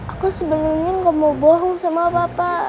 aku sebelumnya nggak mau bohong sama papa